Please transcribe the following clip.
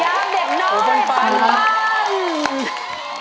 ยามเด็กน้อยปาน